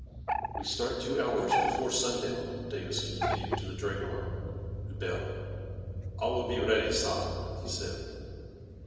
" We start two hours before sundown," Davis continued to the dragoman, who bowed. " All will be ready, saar," he said.